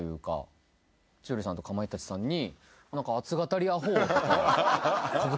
千鳥さんとかまいたちさんに。